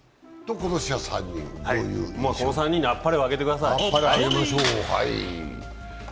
この３人にあっぱれをあげてください。